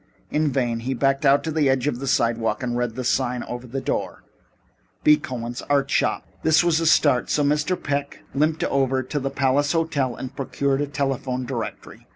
In vain. He backed out to the edge of the sidewalk and read the sign over the door: B. Cohen's Art Shop This was a start, so Mr. Peck limped over to the Palace Hotel and procured a telephone directory.